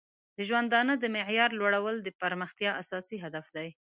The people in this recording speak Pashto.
د ژوندانه د معیار لوړول د پرمختیا اساسي هدف دی.